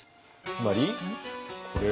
つまりこれを。